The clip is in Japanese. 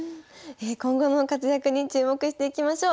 今後の活躍に注目していきましょう。